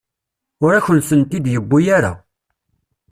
Ur akent-tent-id-yuwi ara.